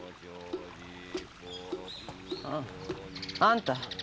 ああんた。